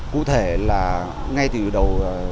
cụ thể là ngay từ đầu